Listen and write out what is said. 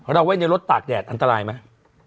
เราเอาไว้ในรถตากแดดอันตรายไหม